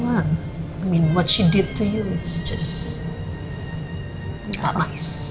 maksudku apa yang dia lakukan pada kamu adalah hanya